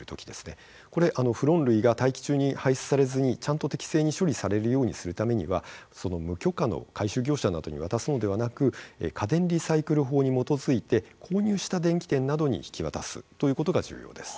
これフロン類が大気中に排出されずにちゃんと適正に処理されるようにするためには無許可の回収業者などに渡すのではなく家電リサイクル法に基づいて購入した電気店などに引き渡すということが重要です。